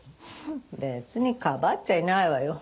別にかばっちゃいないわよ。